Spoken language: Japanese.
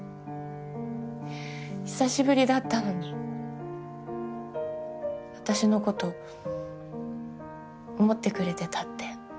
久しぶりだったのに私の事思ってくれてたってわかって。